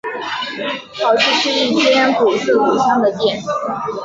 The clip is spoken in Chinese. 跑去吃一间古色古香的店